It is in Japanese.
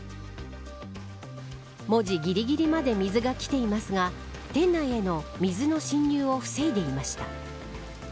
文字ぎりぎりまで水がきていますが店内への水の浸入を防いでいました。